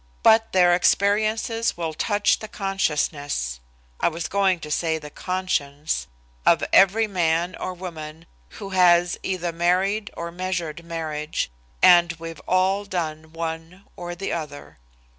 But their experiences will touch the consciousness I was going to say the conscience of every man or woman who has either married or measured marriage, and we've all done one or the other.